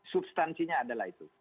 substansinya adalah itu